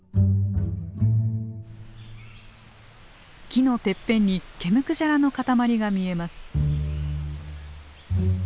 木のてっぺんに毛むくじゃらの塊が見えます。